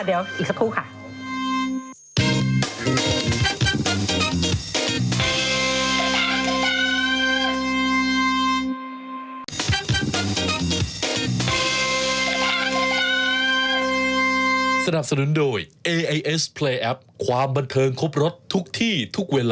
ใช่ใครนั้นกุ้งแพงราคาตกแล้ว